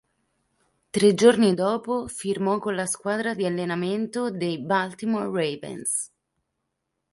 Tre giorni dopo firmò con la squadra di allenamento dei Baltimore Ravens.